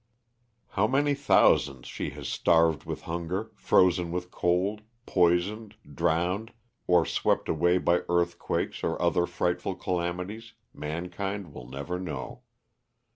How many thousands she has starved with hunger, frozen with cold, poisoned, drowned, or swept away by earthquakes or other frightful calamities, mankind will never know.